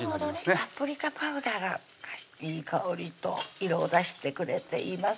パプリカパウダーがいい香りと色を出してくれています